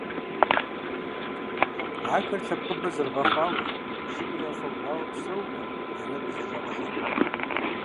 Ахэр лъэпкъыбэ зэрыгъэхъуауэ, щӀыгур яуфэбгъуауэ псэууэт я нэгу къызэрыщӀагъэхьэр.